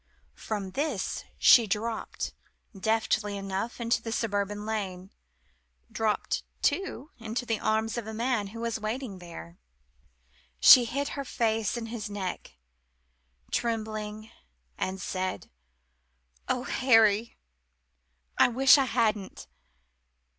From this she dropped, deftly enough, into the suburban lane: dropped, too, into the arms of a man who was waiting there. She hid her face in his neck, trembling, and said, "Oh, Harry I wish I hadn't!"